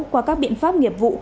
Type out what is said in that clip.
qua các biện pháp nghiệp vụ